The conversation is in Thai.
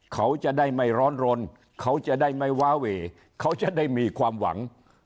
เขาจะได้ไม่ร้อนรนเขาจะได้ไม่ว้าเวเขาจะได้มีความหวัง